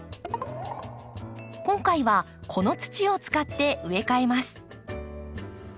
今回はこの土を使って植え替えます。